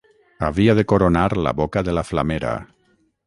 Havia de coronar la boca de la flamera